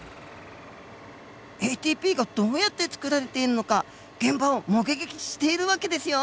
ＡＴＰがどうやってつくられているのか現場を目撃している訳ですよ。